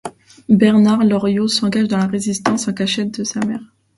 Bernard loriot s'engage dans la Résistance en cachette de sa mère.